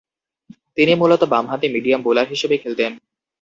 তিনি মূলতঃ বামহাতি মিডিয়াম বোলার হিসেবে খেলতেন।